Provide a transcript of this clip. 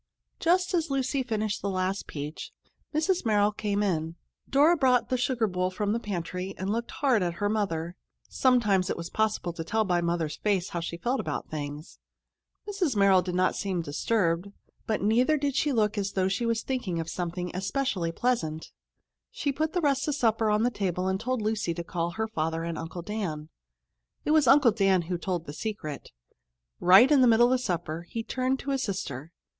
Just as Lucy finished the last peach, Mrs. Merrill came in. Dora brought the sugar bowl from the pantry and looked hard at her mother. Sometimes it was possible to tell by Mother's face how she felt about things. Mrs. Merrill did not seem disturbed, but neither did she look as though she was thinking of anything especially pleasant. She put the rest of the supper on the table and told Lucy to call her father and Uncle Dan. It was Uncle Dan who told the secret. Right in the middle of supper he turned to his sister.